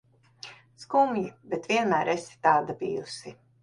Skumji, bet vienmēr esi tāda bijusi.